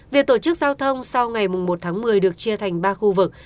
việc tổ chức giao thông sau ngày một tháng một mươi được chia thành ba khu vực